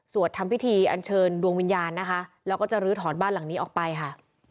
ทำพิธีอันเชิญดวงวิญญาณนะคะแล้วก็จะลื้อถอนบ้านหลังนี้ออกไปค่ะ